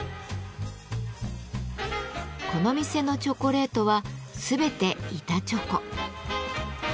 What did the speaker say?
この店のチョコレートは全て板チョコ。